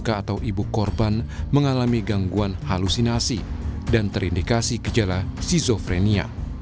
penyidik atau ibu korban mengalami gangguan halusinasi dan terindikasi kejalaan schizofrenia